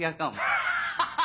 ハハハハ！